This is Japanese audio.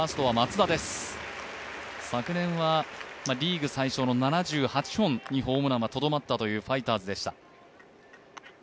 昨年はリーグ最小の７８本にホームランはとどまったというファイターズでした。